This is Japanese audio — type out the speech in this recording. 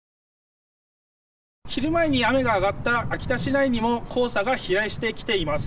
昼前に雨が上がった秋田市内にも黄砂が飛来してきています。